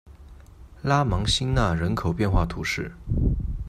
拉芒辛讷人口变化图示